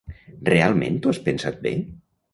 Realment t'ho has pensat bé?